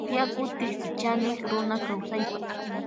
Yaku tiksichanik runa kawsaypa.